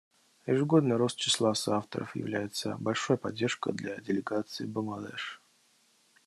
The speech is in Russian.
Ежегодный рост числа соавторов является большой поддержкой для делегации Бангладеш.